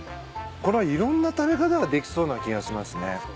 これはいろんな食べ方ができそうな気がしますね。